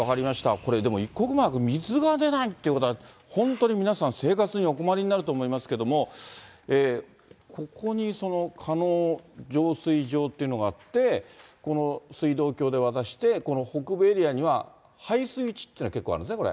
これでも、一刻も早く水が出ないっていうことは、本当に皆さん、生活にお困りになると思いますけれども、ここにその加納浄水場っていうのがあって、この水道橋で渡して、この北部エリアには、配水池っていうのが結構あるんですね、これ。